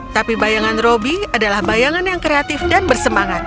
tapi bayangan roby adalah bayangan yang kreatif dan bersemangat